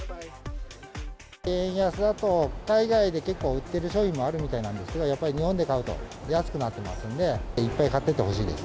円安だと海外で結構売ってる商品もあるみたいなんですが、やっぱり日本で買うと安くなってますんで。